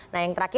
nah yang terakhir